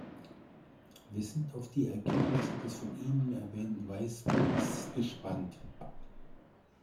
Wir sind auf die Ergebnisse des von Ihnen erwähnten Weißbuchs gespannt.